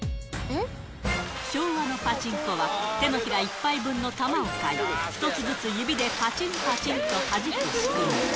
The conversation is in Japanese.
昭和のパチンコは、手のひら一杯分のたまを買い、１つずつ指でぱちんぱちんとはじく仕組み。